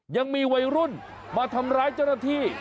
ยังมีวัยรุ่นมาทำร้ายเจ้าหน้าที่